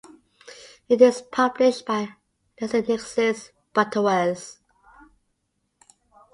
It is published by LexisNexis Butterworths.